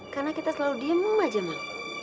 karena kita selalu diem aja mang